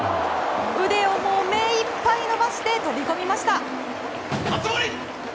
腕を目いっぱい伸ばして飛び込みました！